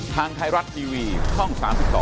ทางไทยรัฐทีวีช่อง๓๒